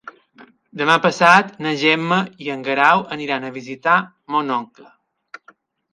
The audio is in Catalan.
Demà passat na Gemma i en Guerau aniran a visitar mon oncle.